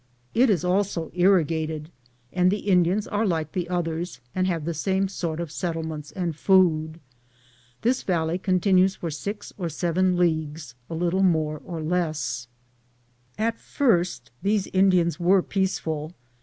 It is also irrigated, and the Indians are like the others and have the same sort of settlements and food. This valley continues for 6 or 7 leagues, a little more or less. At first these Indians were peaceful; and